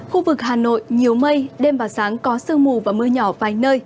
khu vực hà nội nhiều mây đêm và sáng có sương mù và mưa nhỏ vài nơi